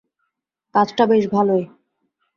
কাজটা বেশ ভালোই।